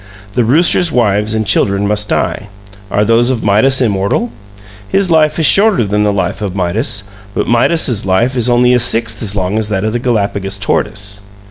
The rooster's wives and children must die. Are those of Midas immortal? His life is shorter than the life of Midas, but Midas's life is only a sixth as long as that of the Galapagos tortoise.